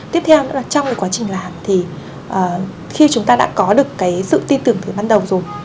tiếp theo nữa là trong cái quá trình làm thì khi chúng ta đã có được cái sự tin tưởng từ ban đầu rồi